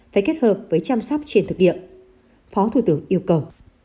phải kết hợp với chăm sóc trên thực địa phó thủ tướng yêu cầu